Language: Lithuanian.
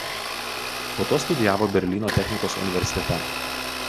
Po to studijavo Berlyno technikos universitete.